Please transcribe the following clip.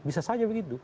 bisa saja begitu